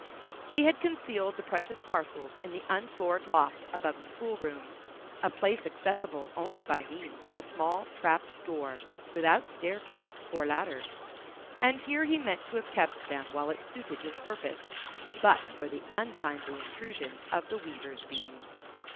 He had concealed the precious parcels in the unfloored loft above the school room, a place accessible only by means of a small trap door without staircase or ladder; and here he meant to have kept them while it suited his purposes, but for the untimely intrusion of the weaver's beam.